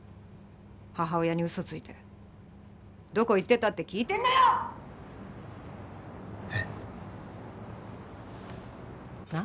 母親に嘘ついてどこ行ってた？って聞いてんのよっ！